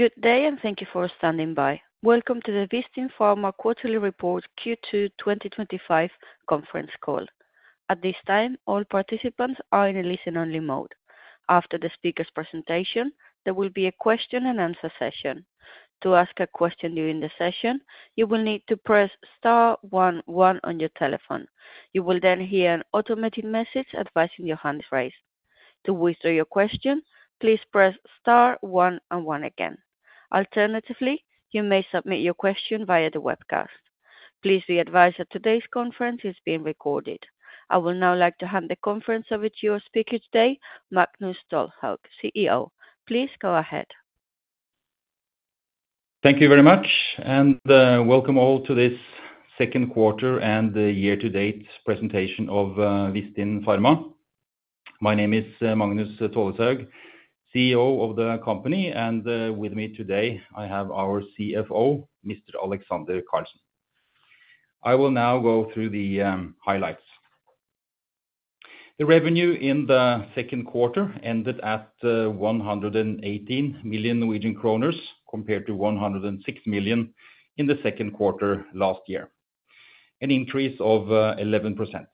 Good day and thank you for standing by. Welcome to the Vistin Pharma Quarterly Report Q2 2025 Conference Call. At this time, all participants are in a listen-only mode. After the speaker's presentation, there will be a question and answer session. To ask a question during the session, you will need to press star one one on your telephone. You will then hear an automated message advising your hand is raised. To withdraw your question, please press star one one again. Alternatively, you may submit your question via the webcast. Please be advised that today's conference is being recorded. I would now like to hand the conference over to your speaker today, Magnus Tolleshaug, CEO. Please go ahead. Thank you very much, and welcome all to this second quarter and year-to-date presentation of Vistin Pharma. My name is Magnus Tolleshaug, CEO of the company, and with me today I have our CFO, Mr. Alexander Karlsen. I will now go through the highlights. The revenue in the second quarter ended at 118 million Norwegian kroner compared to 106 million in the second quarter last year, an increase of 11%.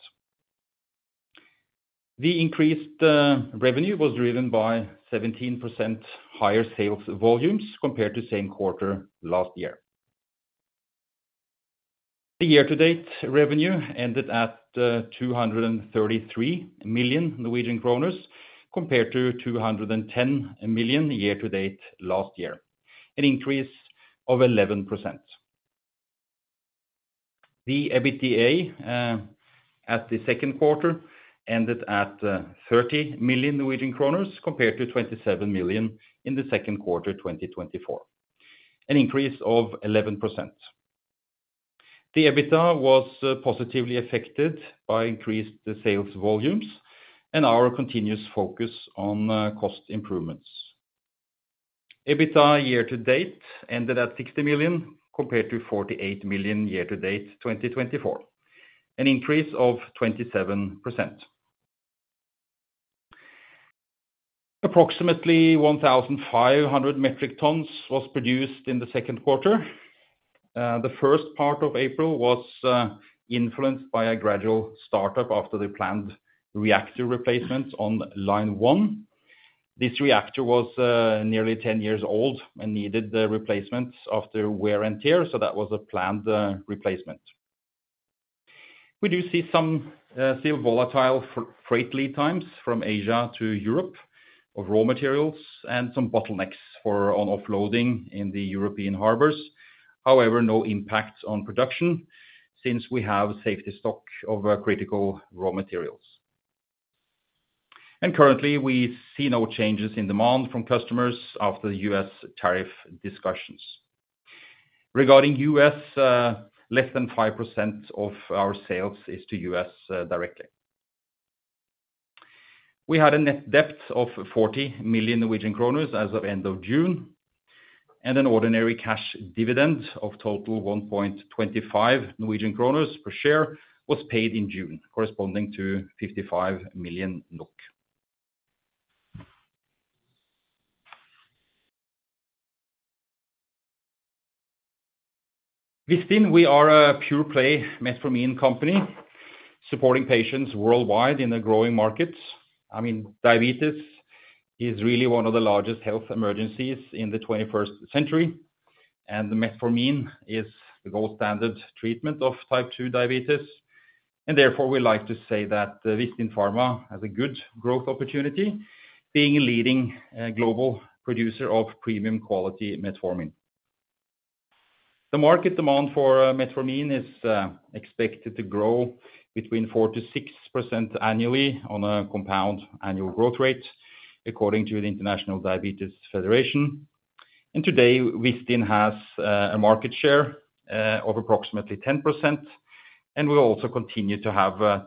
The increased revenue was driven by 17% higher sales volumes compared to the same quarter last year. The year-to-date revenue ended at 233 million Norwegian kroner compared to 210 million year-to-date last year, an increase of 11%. The EBITDA at the second quarter ended at 30 million Norwegian kroner compared to 27 million in the second quarter 2024, an increase of 11%. The EBITDA was positively affected by increased sales volumes and our continuous focus on cost improvements. EBITDA year-to-date ended at 60 million compared to 48 million year-to-date 2024, an increase of 27%. Approximately 1,500 metric tons were produced in the second quarter. The first part of April was influenced by a gradual startup after the planned reactor replacement on line one. This reactor was nearly 10 years old and needed replacement after wear and tear, so that was a planned replacement. We do see some volatile freight lead times from Asia to Europe of raw materials and some bottlenecks on offloading in the European harbors. However, no impact on production since we have a safety stock of critical raw materials. Currently, we see no changes in demand from customers after the U.S. tariff discussions. Regarding U.S., less than 5% of our sales is to U.S. directly. We had a net debt of 40 million Norwegian kroner as of the end of June, and an ordinary cash dividend of total 1.25 Norwegian kroner per share was paid in June, corresponding to 55 million. Vistin, we are a pure-play metformin company supporting patients worldwide in a growing market. Diabetes is really one of the largest health emergencies in the 21st century, and metformin is the gold standard treatment of type 2 diabetes. Therefore, we like to say that Vistin Pharma has a good growth opportunity, being a leading global producer of premium quality metformin. The market demand for metformin is expected to grow between 4%-6% annually on a compound annual growth rate according to the International Diabetes Federation. Today, Vistin has a market share of approximately 10%, and we will also continue to have 10%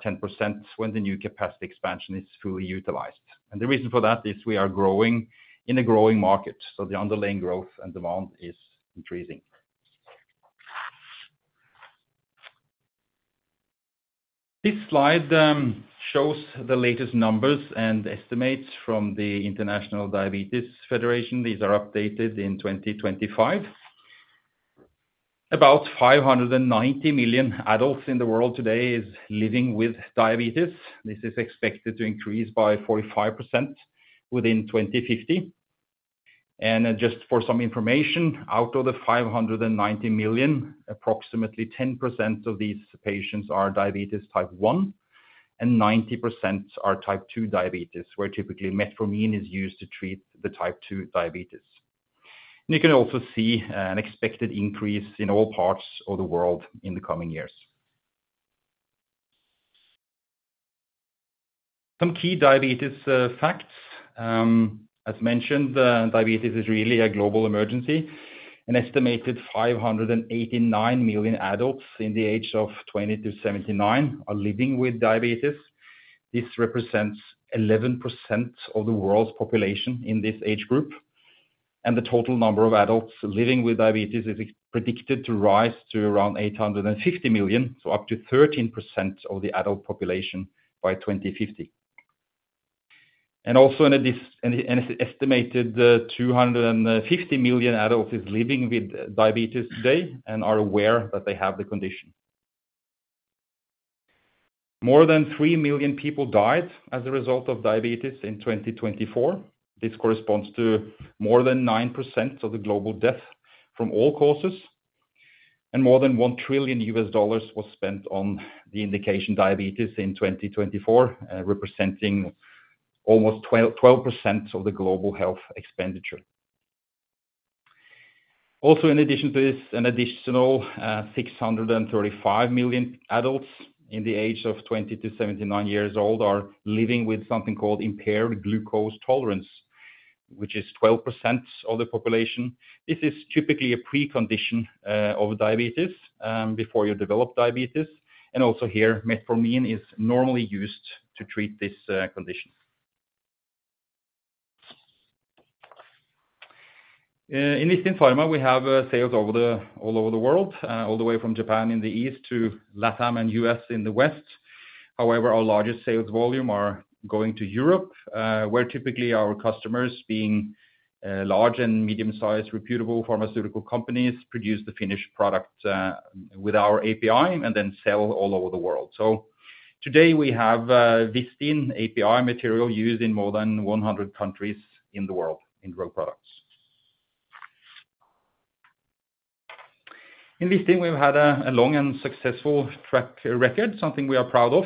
when the new capacity expansion is fully utilized. The reason for that is we are growing in a growing market, so the underlying growth and demand is increasing. This slide shows the latest numbers and estimates from the International Diabetes Federation. These are updated in 2025. About 590 million adults in the world today are living with diabetes. This is expected to increase by 45% within 2050. For some information, out of the 590 million, approximately 10% of these patients are diabetes type 1, and 90% are type 2 diabetes, where typically metformin is used to treat the type 2 diabetes. You can also see an expected increase in all parts of the world in the coming years. Some key diabetes facts. As mentioned, diabetes is really a global emergency. An estimated 589 million adults in the age of 20 to 79 are living with diabetes. This represents 11% of the world's population in this age group. The total number of adults living with diabetes is predicted to rise to around 850 million, up to 13% of the adult population by 2050. Also, an estimated 250 million adults are living with diabetes today and are aware that they have the condition. More than 3 million people died as a result of diabetes in 2024. This corresponds to more than 9% of the global deaths from all causes. More than $1 trillion was spent on the indication diabetes in 2024, representing almost 12% of the global health expenditure. In addition to this, an additional 635 million adults in the age of 20 to 79 years old are living with something called impaired glucose tolerance, which is 12% of the population. This is typically a precondition of diabetes before you develop diabetes. Here, metformin is normally used to treat this condition. In Vistin Pharma, we have sales all over the world, all the way from Japan in the east to LATAM and the U.S. in the west. However, our largest sales volumes are going to Europe, where typically our customers, being large and medium-sized reputable pharmaceutical companies, produce the finished product with our API and then sell all over the world. Today, we have Vistin API material used in more than 100 countries in the world in drug products. In Vistin, we've had a long and successful track record, something we are proud of.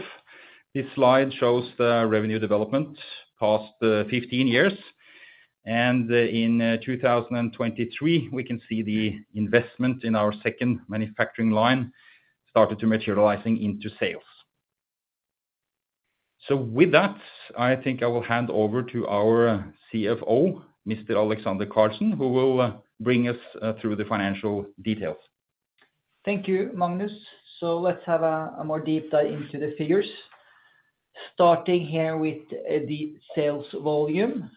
This slide shows the revenue development past 15 years. In 2023, we can see the investment in our second manufacturing line started to materialize into sales. With that, I think I will hand over to our CFO, Mr. Alexander Karlsen, who will bring us through the financial details. Thank you, Magnus. Let's have a more deep dive into the figures. Starting here with the sales volume,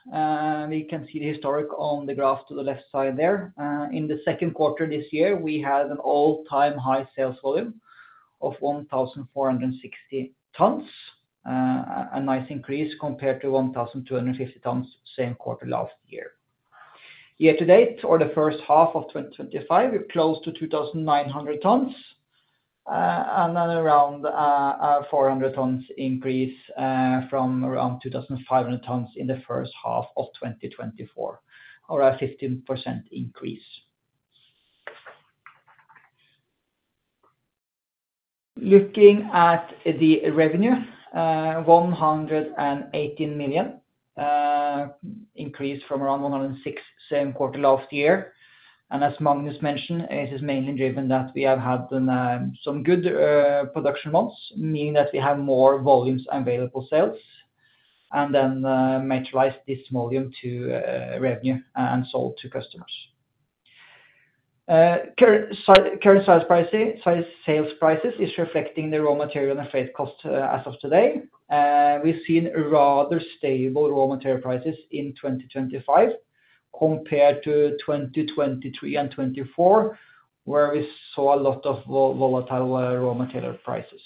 we can see the historic on the graph to the left side there. In the second quarter this year, we had an all-time high sales volume of 1,460 tons, a nice increase compared to 1,250 tons same quarter last year. Year to date, or the first half of 2025, we've closed to 2,900 tons, and then around a 400 tons increase from around 2,500 tons in the first half of 2024, or a 15% increase. Looking at the revenue, 118 million increased from around 106 million same quarter last year. As Magnus mentioned, it is mainly driven that we have had some good production months, meaning that we have more volumes available sales, and then materialize this volume to revenue and sold to customers. Current sales prices are reflecting the raw material and freight cost as of today. We've seen rather stable raw material prices in 2025 compared to 2023 and 2024, where we saw a lot of volatile raw material prices.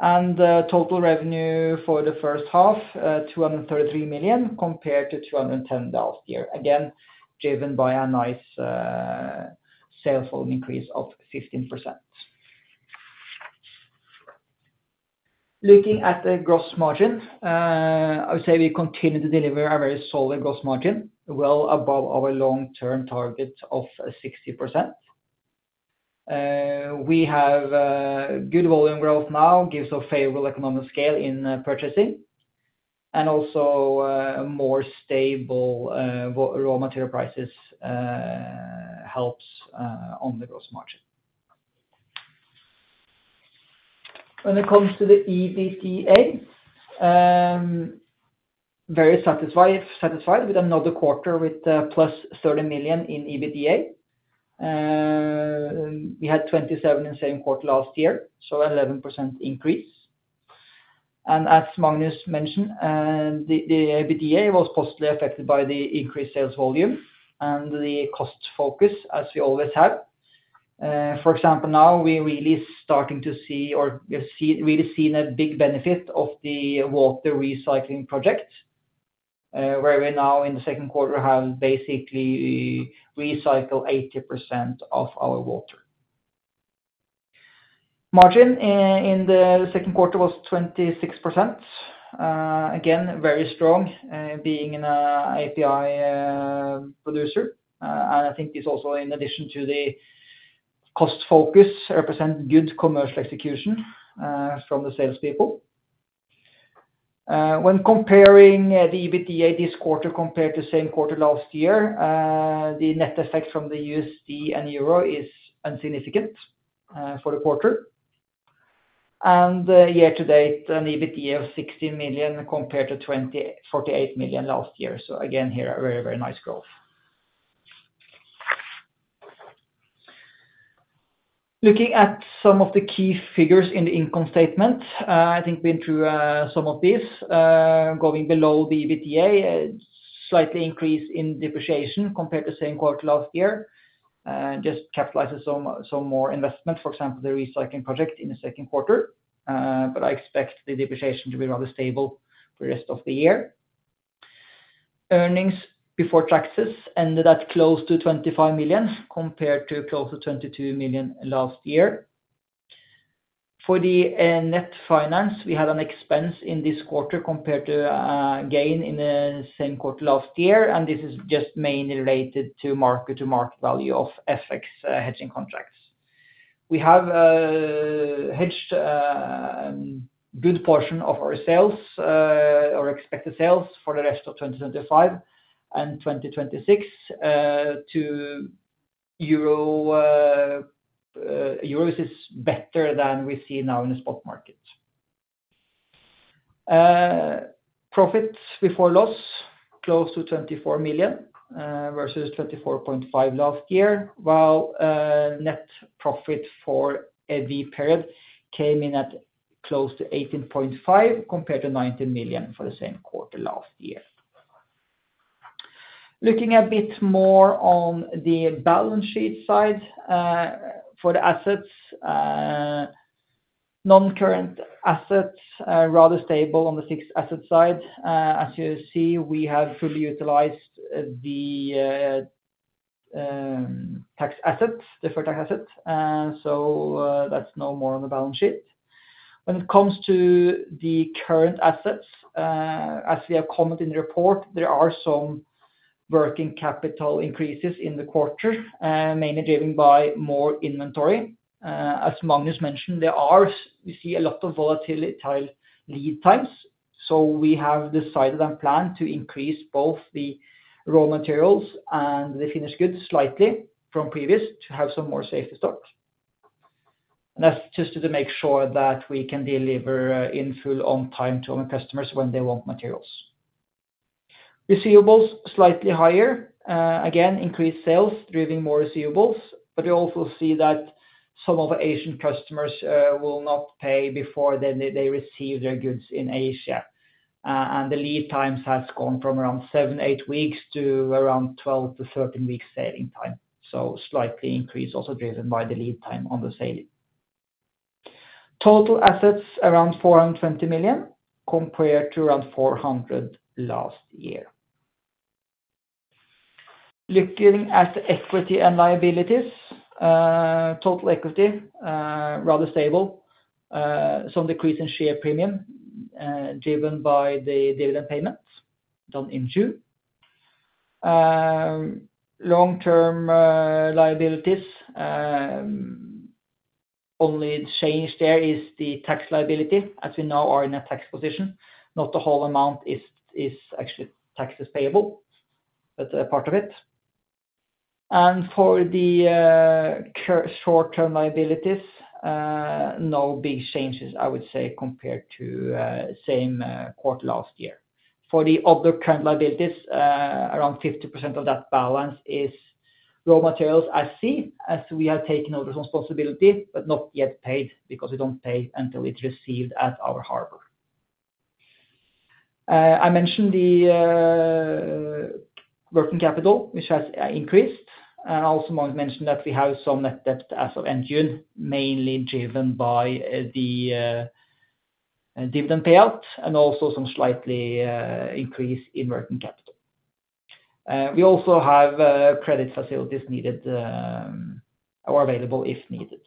Total revenue for the first half, 233 million compared to 210 million last year, again driven by a nice sales volume increase of 15%. Looking at the gross margin, I would say we continue to deliver a very solid gross margin, well above our long-term target of 60%. We have good volume growth now, gives a favorable economic scale in purchasing, and also more stable raw material prices help on the gross margin. When it comes to the EBITDA, very satisfied with another quarter with +30 million in EBITDA. We had 27 million in the same quarter last year, so 11% increase. As Magnus mentioned, the EBITDA was positively affected by the increased sales volume and the cost focus, as we always have. For example, now we're really starting to see or really seeing a big benefit of the water recycling project, where we now in the second quarter have basically recycled 80% of our water. Margin in the second quarter was 26%. Again, very strong, being an API producer. I think this is also in addition to the cost focus represents good commercial execution from the salespeople. When comparing the EBITDA this quarter compared to the same quarter last year, the net effect from the USD and euro is insignificant for the quarter. Year to date, an EBITDA of 60 million compared to 48 million last year. Again, here a very, very nice growth. Looking at some of the key figures in the income statement, I think we went through some of these. Going below the EBITDA, slightly increase in depreciation compared to the same quarter last year. Just capitalize some more investment, for example, the recycling project in the second quarter. I expect the depreciation to be rather stable for the rest of the year. Earnings before taxes ended at close to 25 million compared to close to 22 million last year. For the net finance, we had an expense in this quarter compared to a gain in the same quarter last year. This is just mainly related to market-to-market value of FX hedging contracts. We have hedged a good portion of our sales, our expected sales for the rest of 2025 and 2026. Euros is better than we see now in the spot market. Profits before loss, close to 24 million versus 24.5 million last year, while net profit for every period came in at close to 18.5 million compared to 19 million for the same quarter last year. Looking a bit more on the balance sheet side for the assets, non-current assets are rather stable on the fixed asset side. As you see, we have fully utilized the tax assets, deferred tax assets. That's no more on the balance sheet. When it comes to the current assets, as we have commented in the report, there are some working capital increases in the quarter, mainly driven by more inventory. As Magnus mentioned, we see a lot of volatile lead times. We have decided and planned to increase both the raw materials and the finished goods slightly from previous to have some more safety stock. That's just to make sure that we can deliver in full on time to our customers when they want materials. Receivables slightly higher. Again, increased sales driven more receivables, but we also see that some of our Asian customers will not pay before they receive their goods in Asia. The lead times have gone from around seven, eight weeks to around 12 to 13 weeks saving time. Slightly increase also driven by the lead time on the sale. Total assets, around 420 million compared to around 400 million last year. Looking at the equity and liabilities, total equity rather stable. Some decrease in share premium driven by the dividend payments done in June. Long-term liabilities, only change there is the tax liability as we now are in a tax position. Not the whole amount is actually taxes payable, but part of it. For the short-term liabilities, no big changes, I would say, compared to the same quarter last year. For the other current liabilities, around 50% of that balance is raw materials. I see as we have taken out responsibility, but not yet paid because we don't pay until it's received at our harbor. I mentioned the working capital, which has increased. I also want to mention that we have some net debt as of end June, mainly driven by the dividend payout and also some slight increase in working capital. We also have credit facilities needed or available if needed.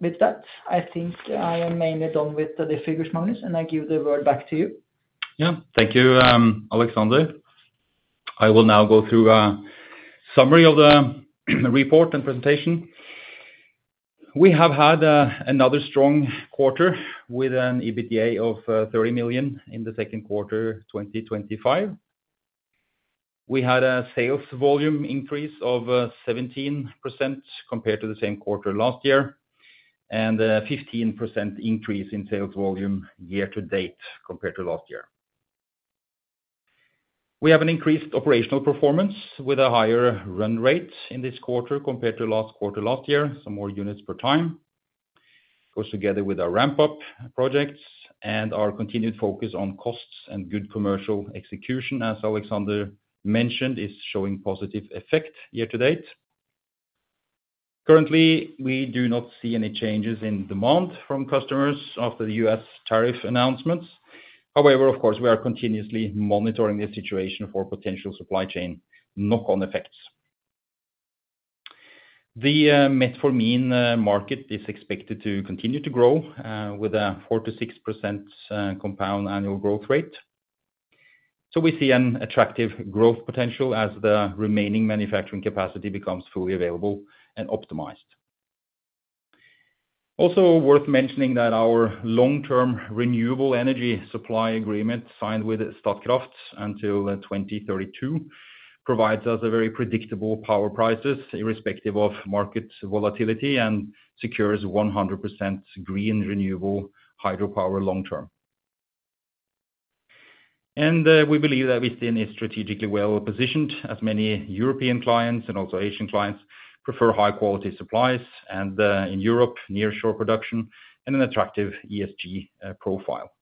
With that, I think I am mainly done with the figures, Magnus, and I give the word back to you. Thank you, Alexander. I will now go through a summary of the report and presentation. We have had another strong quarter with an EBITDA of 30 million in the second quarter 2025. We had a sales volume increase of 17% compared to the same quarter last year and a 15% increase in sales volume year to date compared to last year. We have an increased operational performance with a higher run rate in this quarter compared to the last quarter last year, some more units per time. It goes together with our ramp-up projects and our continued focus on costs and good commercial execution, as Alexander mentioned, is showing positive effect year to date. Currently, we do not see any changes in demand from customers after the U.S. tariff announcements. However, of course, we are continuously monitoring the situation for potential supply chain knock-on effects. The metformin market is expected to continue to grow with a 4%-6% compound annual growth rate. We see an attractive growth potential as the remaining manufacturing capacity becomes fully available and optimized. Also, it is worth mentioning that our long-term renewable energy supply agreement signed with Statkraft until 2032 provides us very predictable power prices irrespective of market volatility and secures 100% green renewable hydropower long term. We believe that Vistin is strategically well positioned as many European clients and also Asian clients prefer high-quality supplies and in Europe, near-shore production and an attractive ESG profile.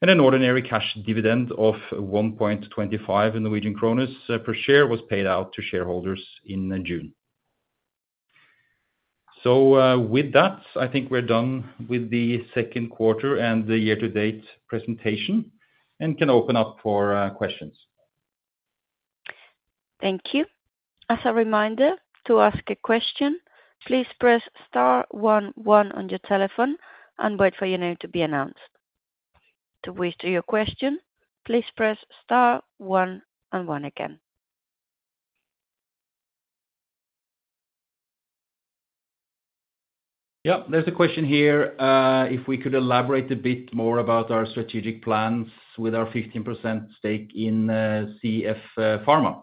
An ordinary cash dividend of 1.25 Norwegian kroner per share was paid out to shareholders in June. With that, I think we're done with the second quarter and the year-to-date presentation and can open up for questions. Thank you. As a reminder, to ask a question, please press star one one on your telephone and wait for your name to be announced. To withdraw your question, please press star one one again. Yeah. There's a question here. If we could elaborate a bit more about our strategic plans with our 15% stake in CF Pharma.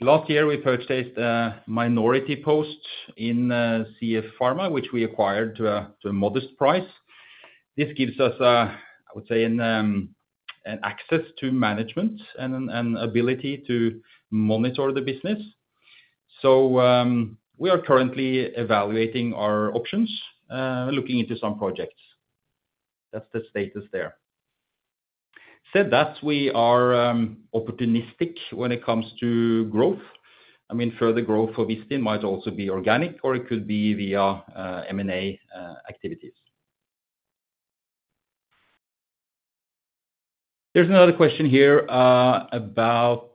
Last year, we purchased a minority post in CF Pharma, which we acquired at a modest price. This gives us, I would say, access to management and an ability to monitor the business. We are currently evaluating our options and looking into some projects. That's the status there. Having said that, we are opportunistic when it comes to growth. I mean, further growth for Vistin might also be organic, or it could be via M&A activities. There's another question here about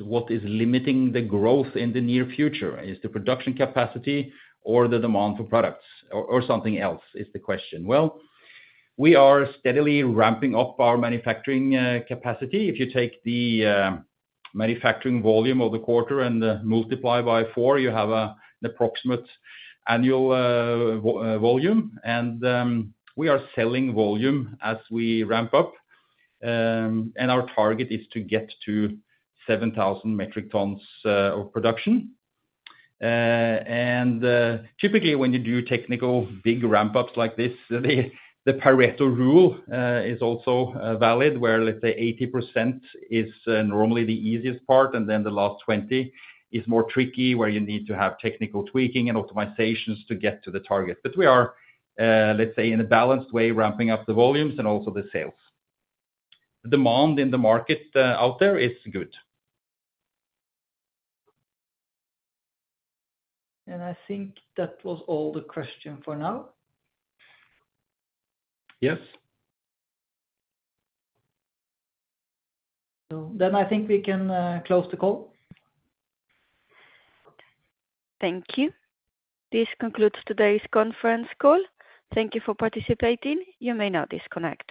what is limiting the growth in the near future. Is it the production capacity or the demand for products or something else is the question. We are steadily ramping up our manufacturing capacity. If you take the manufacturing volume of the quarter and multiply by four, you have an approximate annual volume. We are selling volume as we ramp up, and our target is to get to 7,000 metric tons of production. Typically, when you do technical big ramp-ups like this, the Pareto rule is also valid, where let's say 80% is normally the easiest part, and then the last 20% is more tricky, where you need to have technical tweaking and optimizations to get to the target. We are, let's say, in a balanced way ramping up the volumes and also the sales. The demand in the market out there is good. I think that was all the questions for now. Yes. I think we can close the call. Thank you. This concludes today's conference call. Thank you for participating. You may now disconnect.